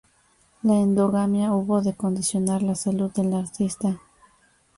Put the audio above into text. La endogamia hubo de condicionar la salud del artista.